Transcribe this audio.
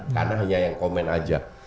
karena hanya yang komen aja